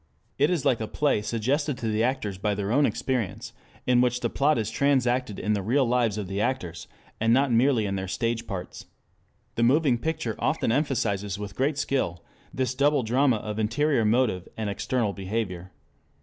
It is like a play suggested to the actors by their own experience, in which the plot is transacted in the real lives of the actors, and not merely in their stage parts. The moving picture often emphasizes with great skill this double drama of interior motive and external behavior.